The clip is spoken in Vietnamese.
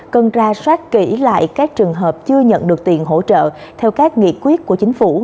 cần ra soát kỹ lại các trường hợp chưa nhận được tiền hỗ trợ theo các nghị quyết của chính phủ